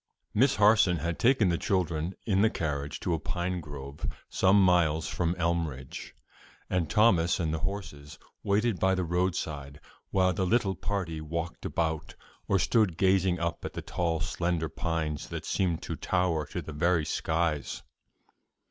Miss Harson had taken the children in the carriage to a pine grove some miles from Elmridge, and Thomas and the horses waited by the roadside while the little party walked about or stood gazing up at the tall slender trees that seemed to tower to the very skies.